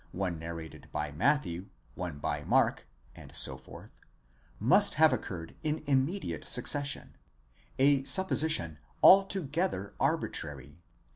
one narrated by Matthew, one by Mark, and so forth, must have occurred in immediate succession: a supposition altogether arbitrary.